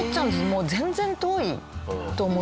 もう全然遠いと思って。